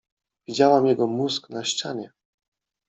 Widziałam jego mózg na ścianie.